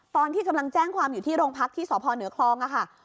ตอนที่กำลังแจ้งความอยู่ที่โรงพักที่สพเหนือคลองค่ะ